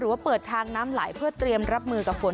ว่าเปิดทางน้ำไหลเพื่อเตรียมรับมือกับฝน